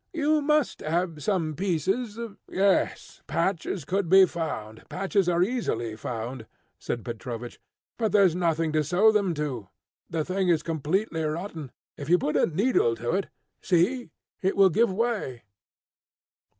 You must have some pieces " "Yes, patches could be found, patches are easily found," said Petrovich, "but there's nothing to sew them to. The thing is completely rotten. If you put a needle to it see, it will give way."